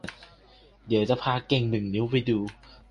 เดี๋ยวพาเก่งหนึ่งนิ้วไปดู